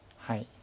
はい。